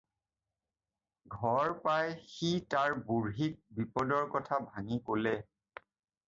ঘৰ পাই সি তাৰ বুঢ়ীক বিপদৰ কথা ভাঙি ক'লে।